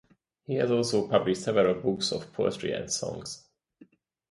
He has also published several books of poetry and songs.